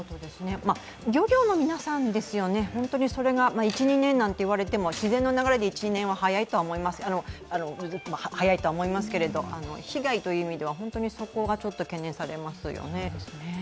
漁業の皆さんですよね、１２年なんて言われても自然の流れで１２年は早いと思いますけど被害という意味では、本当にそこが懸念されますよね。